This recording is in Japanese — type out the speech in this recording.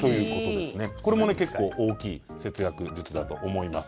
これも結構大きい節約術だと思います。